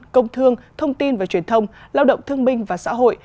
công thương thông tin và truyền thông lao động thương minh và xã hội